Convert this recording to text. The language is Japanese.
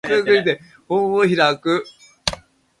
本を開く